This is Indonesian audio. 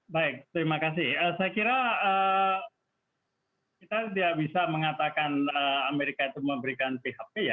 baik terima kasih saya kira kita tidak bisa mengatakan amerika itu memberikan php ya